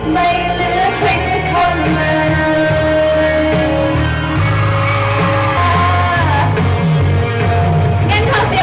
ไม่เหลือใครสงบไม่เลิกทำน่ะ